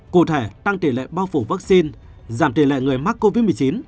cụ thể tăng tỷ lệ bao phủ vaccine giảm tỷ lệ người mắc covid một mươi chín